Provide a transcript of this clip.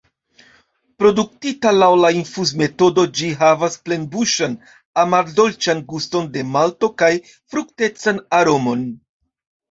Produktita laŭ la infuzmetodo, ĝi havas plenbuŝan, amardolĉan guston de malto kaj fruktecan aromon.